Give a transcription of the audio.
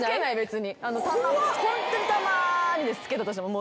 ホントにたまにです着けたとしても。